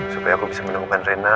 supaya aku bisa menemukan reinhard